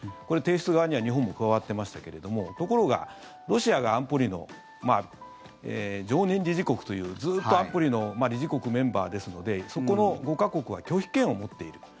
これ、提出側には日本も加わってましたけれどもところがロシアが安保理の常任理事国というずっと安保理の理事国メンバーですのでそこの５か国は拒否権を持っている。